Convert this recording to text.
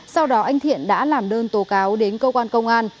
sau đó anh thiện đã làm đơn tố cáo đến cơ quan công an